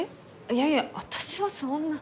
いやいや私はそんな。